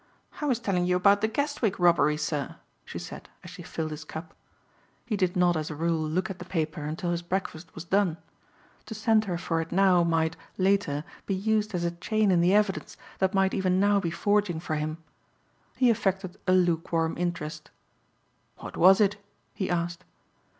"I was telling you about the Guestwick robbery, sir," she said as she filled his cup. He did not as a rule look at the paper until his breakfast was done. To send her for it now might, later, be used as a chain in the evidence that might even now be forging for him. He affected a luke warm interest. "What was it?" he asked.